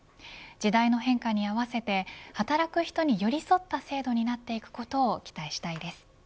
時代の変化に合わせて働く人に寄り添った制度になっていくことを期待したいです。